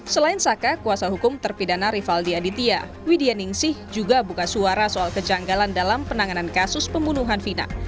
selain saka kuasa hukum terpidana rivaldi aditya widya ningsih juga buka suara soal kejanggalan dalam penanganan kasus pembunuhan vina